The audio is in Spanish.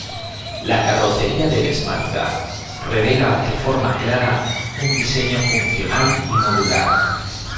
La carrocería del Smart Car revela de forma clara, un diseño funcional y modular.